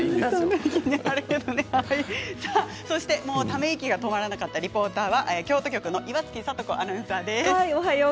ため息が止まらなかったリポーターは京都局の岩槻里子アナウンサーです。